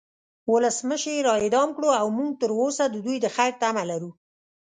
ولسمشر یی را اعدام کړو او مونږ تروسه د دوی د خیر تمه لرو